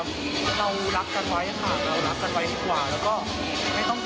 หรือว่าเป็นผู้หญิงก็ตามผู้ชายก็ตาม